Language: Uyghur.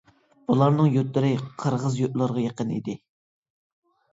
بۇلارنىڭ يۇرتلىرى قىرغىز يۇرتلىرىغا يېقىن ئىدى.